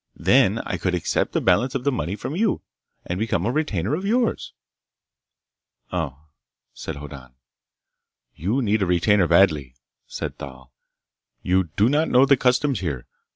Then I could accept the balance of the money from you, and become a retainer of yours." "Oh," said Hoddan. "You need a retainer badly," said Thal. "You do not know the customs here.